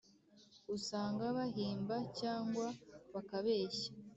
usanga bahimba cyangwa bakabeshya